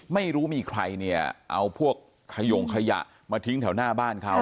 ไม่รู้มีใครเนี่ยเอาพวกขยงขยะมาทิ้งแถวหน้าบ้านเขา